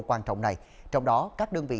quan trọng này trong đó các đơn vị